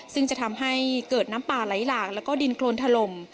ซึ่งจะทำให้เกิดน้ำป่าไหลหลากแล้วก็ดินโครนถล่ม